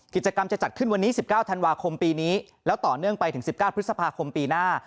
กิจกรรมจะจัดขึ้นวันนี้๑๙ธันวาคมปีนี้แล้วต่อเนื่องไปถึง๑๙พฤษภาคมปีหน้า